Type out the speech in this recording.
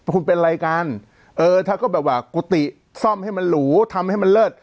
คุณเป็นอะไรกันเออถ้าก็แบบว่ากุฏิซ่อมให้มันหรูทำให้มันเลิศ